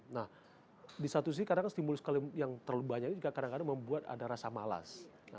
nah di satu sisi kadang stimulus yang terlalu banyak ini juga kadang kadang membuat ada rasa malas